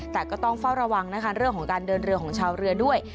แต่ก็ต้องเฝ้าระวังนะคะเรื่องของการเดินเรือของชาวเรือด้วย